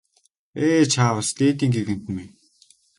Ээ чааваас дээдийн гэгээнтэн минь!